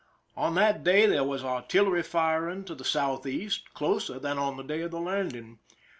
On that day there was artillery firing to the southeast, closer than on the day of the landing.